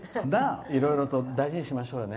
いろいろと大事にしましょうね。